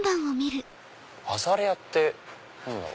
アザレアって何だろう？